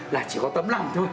là chỉ có tấm lòng thôi